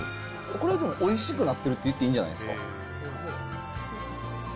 これ、おいしくなってるって言っていいんじゃないですか。